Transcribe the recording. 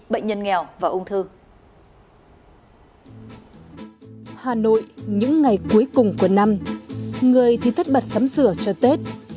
hà nội những ngày cuối cùng của năm người thì thất bật sắm sửa cho tết